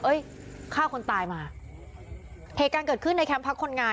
ฆ่าคนตายมาเหตุการณ์เกิดขึ้นในแคมป์พักคนงาน